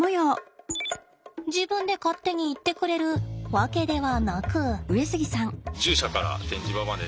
自分で勝手に行ってくれるわけではなく。